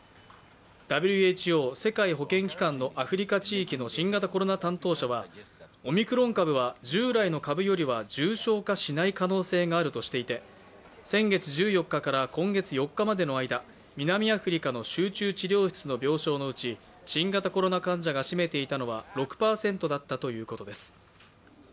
ＷＨＯ＝世界保健機関のアフリカ地域の新型コロナ担当者はオミクロン株は従来の株よりは重症化しない可能性があるとしていて先月１４日から今月４日までの間南アフリカの集中治療室の病床のうち新型コロナ患者が占めていたのは６％だったということです。